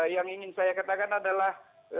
yang ingin saya katakan adalah